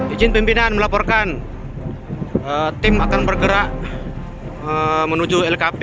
izin pimpinan melaporkan tim akan bergerak menuju lkp